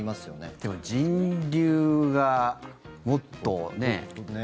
でも、人流がもっとね。